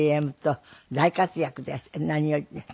何よりですね。